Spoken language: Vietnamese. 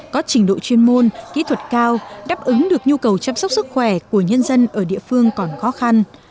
có trình độ chuyên môn kỹ thuật cao đáp ứng được nhu cầu chăm sóc sức khỏe của nhân dân ở địa phương còn khó khăn